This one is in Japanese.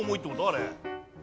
あれ。